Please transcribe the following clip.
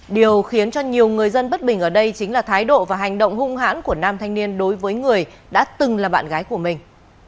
điều khiến cho nhiều người dân bất bình ở đây chính là thái độ và hành động hung hãn của nam thanh niên đối với người đã từng là bạn gái của mình